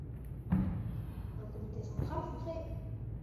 Un comité central fut créé.